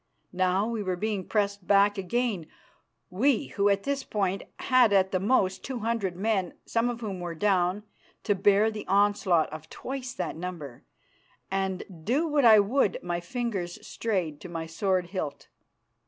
Now we were being pressed back again, we who at this point had at most two hundred men, some of whom were down, to bear the onslaught of twice that number, and, do what I would, my fingers strayed to my sword hilt.